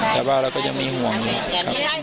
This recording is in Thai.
แต่ว่าเราก็ยังมีห่วงอยู่